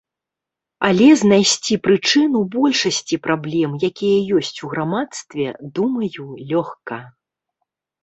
Але знайсці прычыну большасці праблем, якія ёсць у грамадстве, думаю, лёгка.